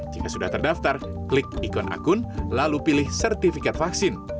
jika sudah terdaftar klik ikon akun lalu pilih sertifikat vaksin